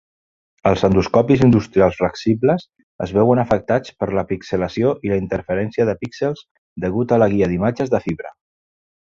Els endoscopis industrials flexibles es veuen afectats per la pixelació i la interferència de píxels degut a la guia d'imatges de fibra.